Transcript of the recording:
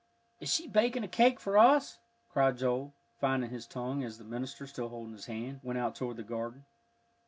"Is she baking a cake for us?" cried Joel, finding his tongue, as the minister, still holding his hand, went out toward the garden.